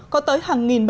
có tới hàng nghìn người